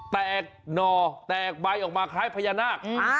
แตกหน่อแตกใบออกมาคล้ายพญานาค